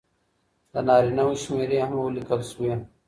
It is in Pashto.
د نارینه وو شمېرې هم ولیکل سوې.